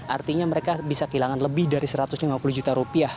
artinya mereka bisa kehilangan lebih dari satu ratus lima puluh juta rupiah